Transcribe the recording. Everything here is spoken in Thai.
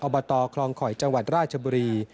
บตคลองคอยจังหวัดราชบุรี